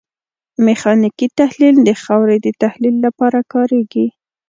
میخانیکي تحلیل د خاورې د تحلیل لپاره کاریږي